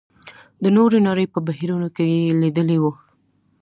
د نورې نړۍ په بهیرونو کې یې لېدلي وو.